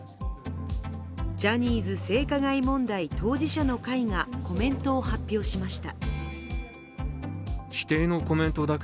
ジャニーズ性加害問題当事者の会がコメントを発表しました。